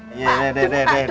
pak dem pak dem